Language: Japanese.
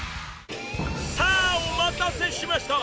さあ、お待たせしました！